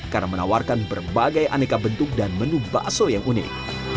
karena menawarkan berbagai aneka bentuk dan menu bakso yang unik